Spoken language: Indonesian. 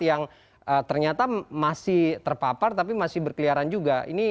yang ternyata masih terpapar tapi masih berkeliaran juga